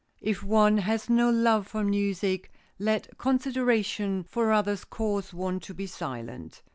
If one has no love for music, let consideration for others cause one to be silent.